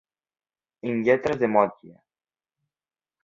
En lletres de motlle.